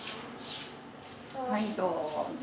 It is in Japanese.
はいどうぞ。